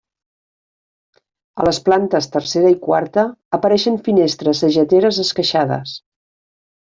A les plantes tercera i quarta apareixen finestres sageteres esqueixades.